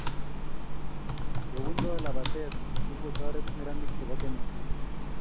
Kobuntoe labatee ko kokutoret neranik che bo Kenya.